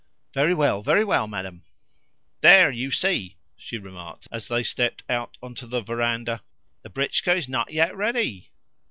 "Very well, very well, madam." "There you see!" she remarked as they stepped out on to the verandah. "The britchka is NOT yet ready."